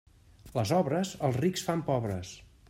Les obres, als rics fan pobres.